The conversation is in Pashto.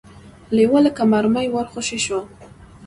لېوه لکه مرمۍ ور خوشې شو.